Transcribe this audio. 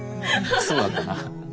そうだったな。